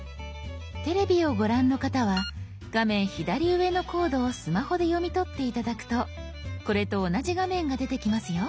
テレビをご覧の方は画面左上のコードをスマホで読み取って頂くとこれと同じ画面が出てきますよ。